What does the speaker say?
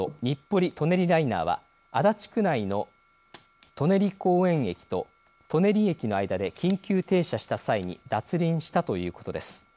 警視庁によりますと日暮里・舎人ライナーは足立区内の舎人公園駅と舎人駅の間で緊急停車した際に脱輪したということです。